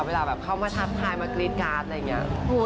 เวลาแบบเข้ามาทักทายมากรี๊ดการ์ดอะไรอย่างนี้